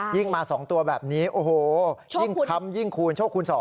ยิ่งมา๒ตัวแบบนี้โอ้โหยิ่งค้ำยิ่งคูณโชคคูณ๒